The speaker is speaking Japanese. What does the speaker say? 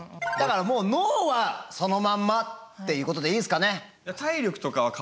だから脳はそのまんまっていうことでいいですかね。